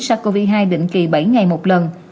sars cov hai định kỳ bảy ngày một lần